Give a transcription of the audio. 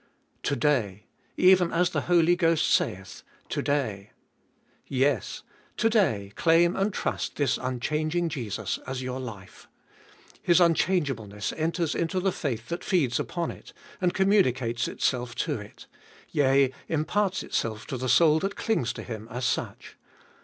To day!— Even as the Holy Ghost saith, To day! Yes, To day, claim and trust this unchanging Jesus as your life. His unchangeableness enters into the faith that feeds upon it, and communicates itself to it ; yea, imparts itself to the soul that clings to Him as such.